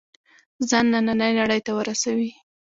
ځان نننۍ نړۍ ته ورسوي.